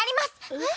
えっ？